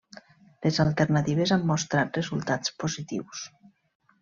Les alternatives han mostrat resultats positius.